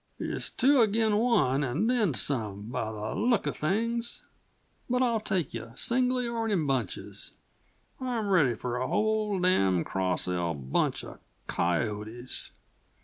"It's two agin' one and then some, by the look uh things. But I'll take yuh singly or in bunches. I'm ready for the whole damn' Cross L bunch uh coyotes.